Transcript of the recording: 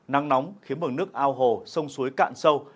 nắng nóng khiếm bằng nước ao hồ sông suối cạn sâu